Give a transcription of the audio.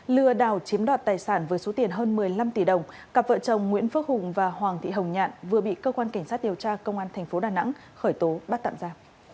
lừa đảo chiếm đoạt tài sản với số tiền hơn một mươi năm tỷ đồng cặp vợ chồng nguyễn phước hùng và hoàng thị hồng nhạn vừa bị cơ quan cảnh sát điều tra công an tp đà nẵng khởi tố bắt tạm ra